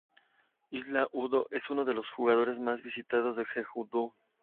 Isla Udo es uno de los lugares más visitados en Jeju-do.